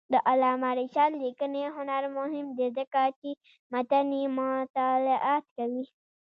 د علامه رشاد لیکنی هنر مهم دی ځکه چې متني مطالعات کوي.